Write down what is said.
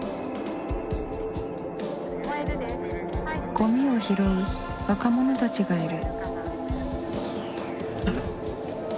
ゴミを拾う若者たちがいる。